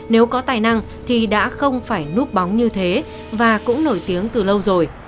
nếu có tài năng thì đã không phải núp bóng như thế và cũng nổi tiếng từ lâu rồi